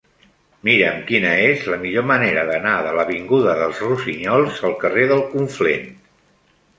Mira'm quina és la millor manera d'anar de l'avinguda dels Rossinyols al carrer del Conflent.